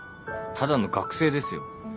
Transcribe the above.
ただの学生ですよ。